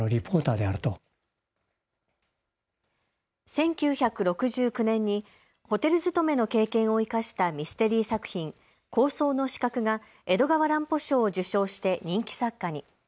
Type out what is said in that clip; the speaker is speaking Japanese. １９６９年にホテル勤めの経験を生かしたミステリー作品、高層の死角が江戸川乱歩賞を受賞して人気作家に。